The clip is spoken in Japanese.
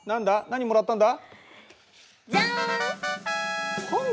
何もらったんだ？じゃん。